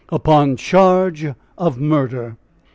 UPON CHARGE OF MURDER.